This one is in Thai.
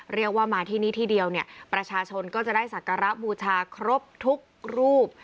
เรียกว่ามาที่นี่ที่เดียวเนี่ยประชาชนก็จะได้สักการะบูชาครบทุกรูป